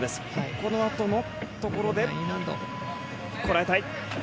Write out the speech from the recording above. このあとのところでこらえたい。